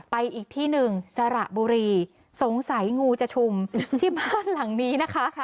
อีกที่หนึ่งสระบุรีสงสัยงูจะชุมที่บ้านหลังนี้นะคะ